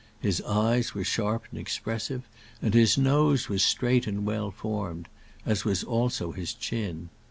His eyes were sharp and expressive, and his nose was straight and well formed, as was also his chin.